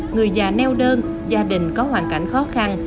người già neo đơn gia đình có hoàn cảnh khó khăn